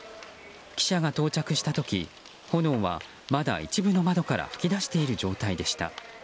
記者が到着した時炎は、まだ一部の窓から噴き出している状態でした。